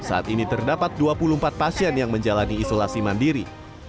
saat ini terdapat dua puluh empat pasien yang menjalani isolasi mandiri